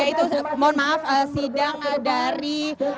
ya itu mohon maaf sidang dari